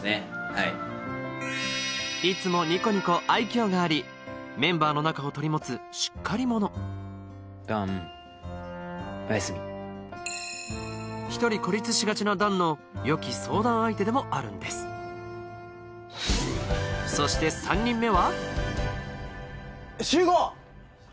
はいいつもニコニコ愛きょうがありメンバーの仲を取り持つしっかり者弾おやすみ１人孤立しがちな弾のよき相談相手でもあるんですそして３人目は集合！